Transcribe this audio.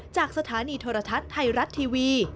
จากสถานีโทรทัศน์ไทยรัฐทีวี